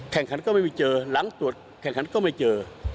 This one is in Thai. แข่งขันก็ไม่มีเจอหลังตรวจแข่งขันก็ไม่เจอ